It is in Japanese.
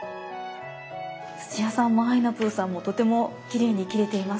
土屋さんもあいなぷぅさんもとてもきれいに切れています。